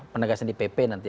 penegasan di pp nanti